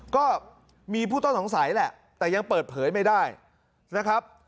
ก็มีผู้ต้องสงสัยแหละแต่ยังเปิดเผยไม่ได้นะครับ